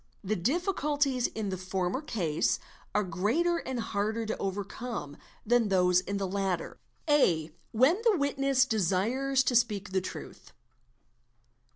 The difficulties in the former case are greater and harder to overcome than those in the latter. A. When the witness desires to speak the truth.